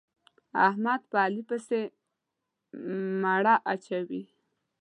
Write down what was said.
احمد په علي پسې مړه اچوي.